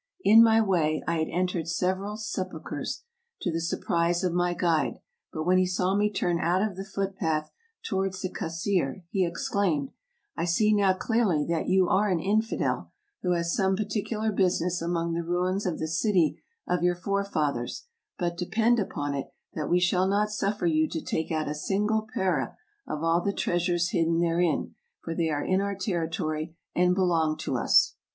In my way I had entered several sepul chers, to the surprise of my guide, but when he saw me turn out of the foot path towards the Kasr, he exclaimed, " I see now clearly that you are an infidel, who has some particu lar business among the ruins of the city of your forefathers ; but depend upon it, that we shall not suffer you to take out a single para of all the treasures hidden therein, for they are in our territory and belong to us."